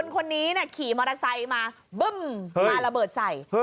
คนนี้ขี่มอเตอร์ไซค์มาบึ้มมาระเบิดใส่